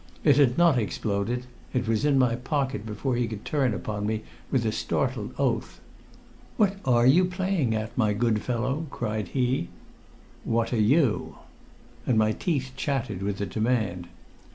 It had not exploded; it was in my pocket before he could turn upon me with a startled oath. "What are you playing at, my good fellow?" cried he. "What are you?" And my teeth chattered with the demand.